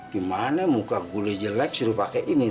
gimana muka gue jelek sudah pakai ini